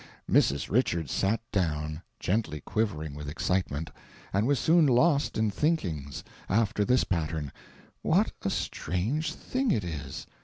Mrs. Richards sat down, gently quivering with excitement, and was soon lost in thinkings after this pattern: "What a strange thing it is!